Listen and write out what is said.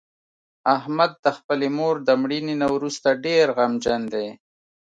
احمد د خپلې مور د مړینې نه ورسته ډېر غمجن دی.